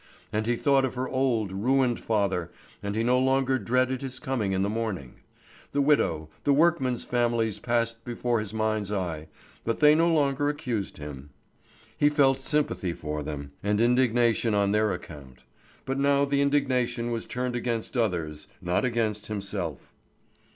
And he thought of her old, ruined father, and he no longer dreaded his coming in the morning. The widow, the workmen's families passed before his mind's eye, but they no longer accused him. He felt sympathy for them, and indignation on their account; but now the indignation was turned against others, not against himself.